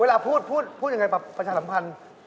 เวลาพูดพูดอย่างไรวัตเชียสัมพันธ์